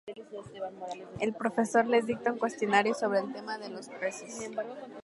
El profesor les dicta un cuestionario sobre el tema de los peces.